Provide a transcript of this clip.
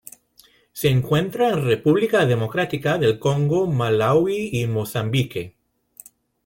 Se encuentra en República Democrática del Congo Malaui y Mozambique.